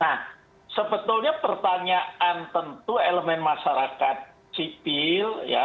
nah sebetulnya pertanyaan tentu elemen masyarakat sipil